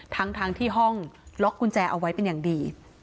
ทั้งที่ห้องล็อกกุญแจเอาไว้เป็นอย่างดี